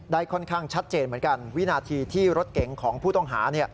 ค่อนข้างชัดเจนเหมือนกันวินาทีที่รถเก๋งของผู้ต้องหา